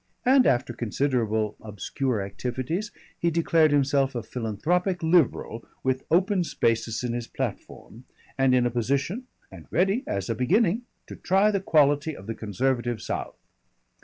And after considerable obscure activities he declared himself a philanthropic Liberal with open spaces in his platform, and in a position, and ready as a beginning, to try the quality of the conservative South.